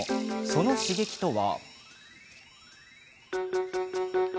その刺激とは。